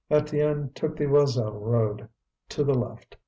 Étienne took the Joiselle road, to the left.